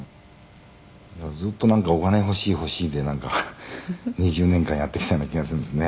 「ずっとなんかお金欲しい欲しいでなんか２０年間やってきたような気がするんですね」